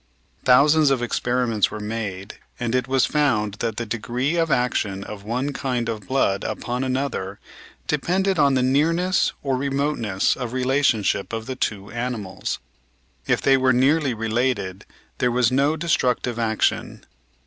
Thousands of experi ments were made, and it was found that the degree of action of one kind of blood upon another depended on the nearness or remoteness of relationship of the two animals. If they were nearly related, there was no destructive action.